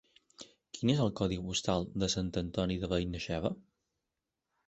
Quin és el codi postal de Sant Antoni de Benaixeve?